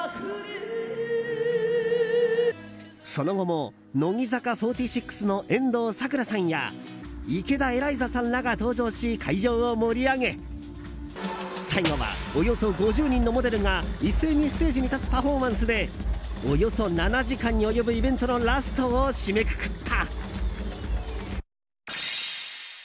その後も乃木坂４６の遠藤さくらさんや池田エライザさんらが登場し会場を盛り上げ最後は、およそ５０人のモデルが一斉にステージに立つパフォーマンスでおよそ７時間に及ぶイベントのラストを締めくくった。